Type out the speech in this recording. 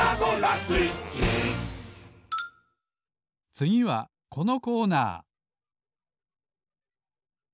つぎはこのコーナー。